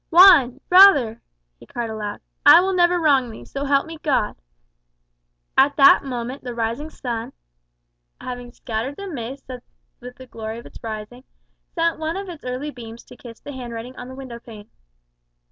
"Juan brother!" he cried aloud, "I will never wrong thee, so help me God!" At that moment the morning sun, having scattered the mists with the glory of its rising, sent one of its early beams to kiss the handwriting on the window pane.